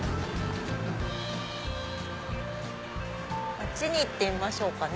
あっちに行ってみましょうかね。